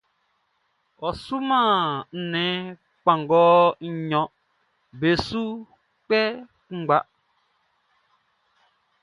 Ɔ suman nnɛn kpanngɔ nɲɔn be su kpɛ kunngba.